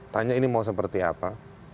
tanya ini mau seperti apa